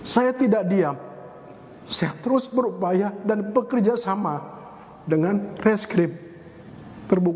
saya tidak diam saya terus berupaya dan bekerja sama dengan reskrip terbuka